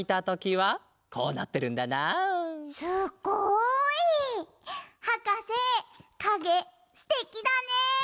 はかせかげすてきだね！